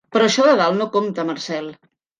Però això de dalt no compta, Marcel.